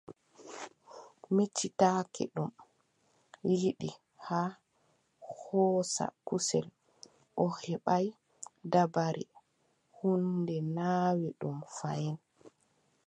Miccitake ɗum yiɗi haa hooca kusel O heɓaay dabare, huunde naawi ɗum fayin.